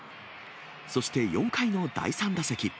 そして、４回の第３打席。